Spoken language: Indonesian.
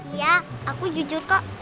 iya aku jujur kok